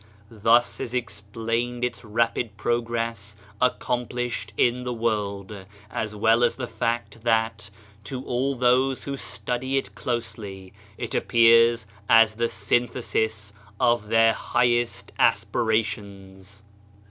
Thus is explained its rapid progress accomplished in the world, as well as the fact that, to all those who study it closely, it appears as the synthesis of their highest aspirations.